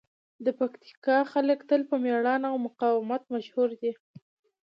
د پکتیکا خلک تل په مېړانې او مقاومت مشهور دي.